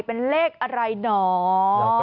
เป็นเลขอะไรหนอ